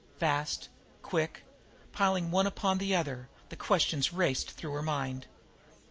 Fast, quick, piling one upon the other, the questions raced through her mind.